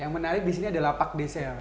yang menarik di sini adalah lapak desa ya